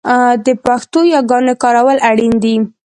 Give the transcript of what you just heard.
د پښتو یاګانې کارول اړین دي